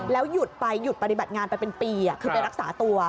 หยุดไปหยุดปฏิบัติงานไปเป็นปีคือไปรักษาตัว